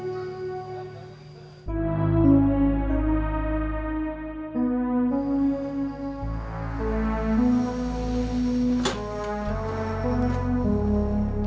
ini kesempatan kita buat nyari pelanggan baru